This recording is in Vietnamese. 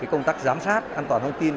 công tác giám sát an toàn thông tin